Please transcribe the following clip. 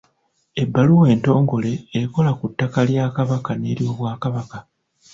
Ebbaluwa entongole ekola ku ttaka lya Kabaka n’ery’Obwakabaka.